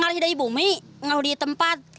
ibu sudah di kembali ke tempatmu